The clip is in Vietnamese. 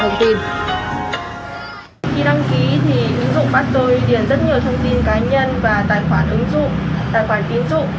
khi đăng ký thì ứng dụng faceplay điền rất nhiều thông tin cá nhân và tài khoản ứng dụng tài khoản tiến dụng